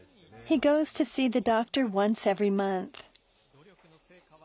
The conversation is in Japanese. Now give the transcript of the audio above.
努力の成果は。